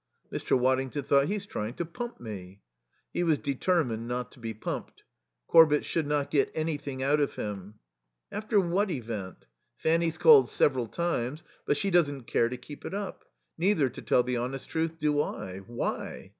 Mr. Waddington thought: "He's trying to pump me." He was determined not to be pumped. Corbett should not get anything out of him. "After what event? Fanny's called several times, but she doesn't care to keep it up. Neither, to tell the honest truth, do I.... Why?"